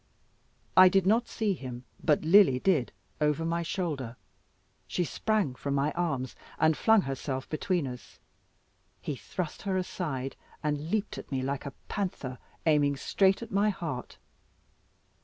I did not see him, but Lily did over my shoulder; she sprang from my arms and flung herself between us. He thrust her aside, and leaped at me like a panther, aiming straight at my heart.